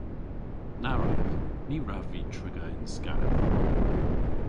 Na wrav! Ny wrav vy triga yn skath.